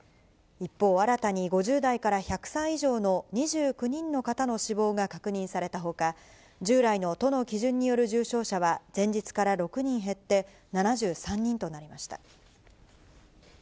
一方、新たに５０代から１００歳以上の２９人の方の死亡が確認されたほか、従来の都の基準による重症者は、前日から６人減って７３人となりました。